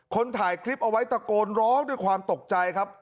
คนถ่ายคลิปเอาไว้ตะโกนร้องด้วยความตกใจครับ